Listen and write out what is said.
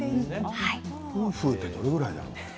ふうふうってどれぐらいだろう？